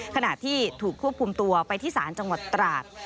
ขณะที่ถูกควบคุมตัวไปที่ศาลจังหวัดตราด